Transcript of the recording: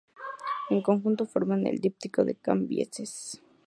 En conjunto forman el díptico de Cambises.